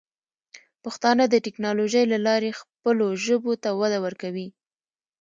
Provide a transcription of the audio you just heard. پښتانه د ټیکنالوجۍ له لارې خپلو ژبو ته وده ورکوي.